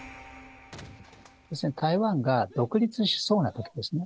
台湾が独立しそうなときですね。